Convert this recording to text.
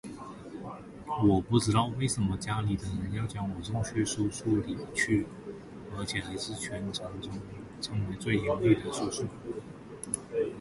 我不知道为什么家里的人要将我送进书塾里去了而且还是全城中称为最严厉的书塾